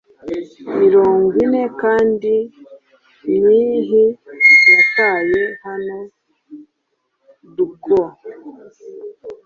Mirongo ine kandi myinhi yataye hano rwoe